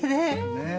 ねえ。